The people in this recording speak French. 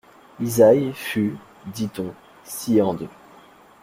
Isaïe fut, dit-on, scié en deux.